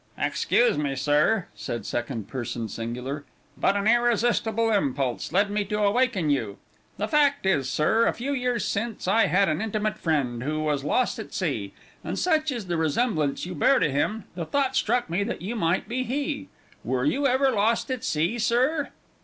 "Excuse me, sir," said second person singular, "but an irresistible impulse led me to awaken you. The fact is, sir, a few years since, I had an intimate friend who was lost at sea, and such is the resemblance you bear to him, the thought struck me that you might be he. Were you ever lost at sea, sir?"